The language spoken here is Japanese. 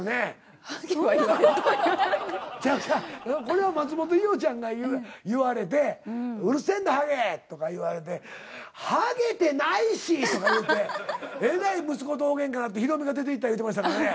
これは松本伊代ちゃんが言われて「うるせぇんだハゲ！」とか言われて「ハゲてないし」とか言うてえらい息子と大げんかなってヒロミが出ていった言うてましたからね。